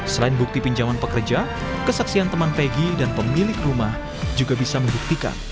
selain bukti pinjaman pekerja kesaksian teman pegi dan pemilik rumah juga bisa membuktikan